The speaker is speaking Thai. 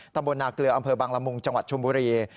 ตำบลนาเกลืออำเภอบังละมุงจังหวัดชมบุรี